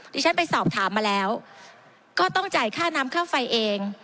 ที่ฉันไปสอบถามมาแล้วก็ต้องจ่ายค่าน้ำค่าไฟเอง